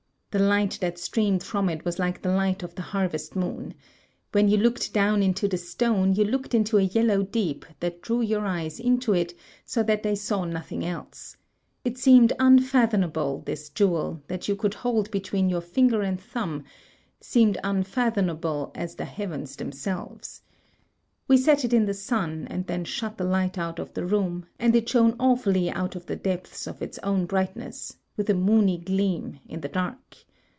The light that streamed from it was like the light of the harvest moon. When you looked down into the stone, you looked into a yellow deep that drew your eyes into it so that they saw nothing else. It seemed unfathomable; this jewel, that you could hold between your finger and thtmib, seemed unfathomable as the heavens themselves. We set it in the sun, and then shut the light out of the room, and it shone awfully out of the depths of its own brightness, with a moony gleam, in the dark.